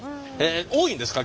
多いんですか？